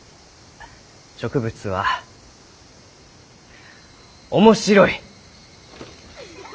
植物は面白い！